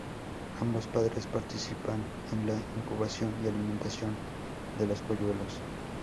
Ambos padres participan en la incubación y alimentación de los polluelos.